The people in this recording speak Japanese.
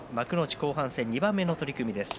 後半戦２番目の取組です。